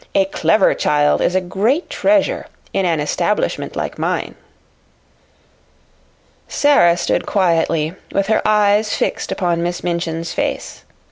A clever child is a great treasure in an establishment like mine." Sara stood quietly, with her eyes fixed upon Miss Minchin's face.